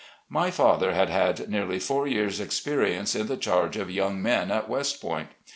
My father had had nearly four years' experience in the charge of young men at West Point.